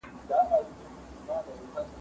کېدای سي تکړښت سخت وي!؟